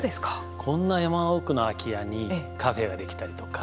こんな山奥の空き家にカフェが出来たりとか。